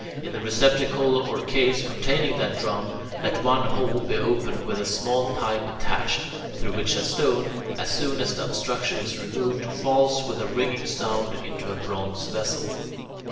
In the receptacle or case containing that drum, let one hole be opened with a small pipe attached, through which a stone, as soon as the obstruction is removed, falls with a ringing sound into a bronze vessel.